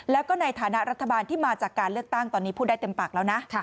แล้วก็ในฐานะรัฐบาลที่มาจากการเลือกตั้งตอนนี้พูดได้เต็มปากแล้วนะ